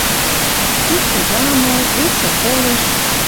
Иктӹ ямы, весӹ колыш...